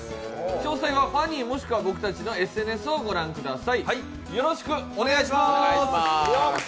詳細はＦＡＮＹもしくは僕たちのＳＮＳを御覧ください。